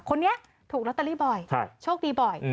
คนนี้ถูกลอตเตอรี่บ่อยโชคดีบ่อย